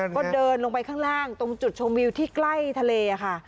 ก็เดินลงไปข้างล่างตรงจุดชมวิวที่ใกล้ทะเลค่ะ